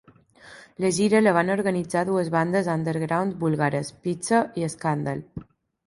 La gira la van organitzar dues bandes undergound búlgares: Pizza i Scandal.